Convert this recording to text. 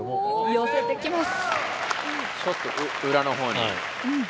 よせてきます。